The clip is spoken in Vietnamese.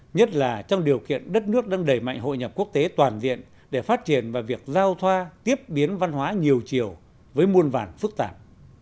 nhất là trong điều kiện đất nước đang đẩy mạnh hội nhập quốc tế toàn diện để phát triển và việc giao thoa tiếp biến văn hóa nhiều chiều với muôn vàn phức tạp